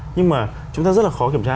nhưng mà chúng ta rất là khó kiểm tra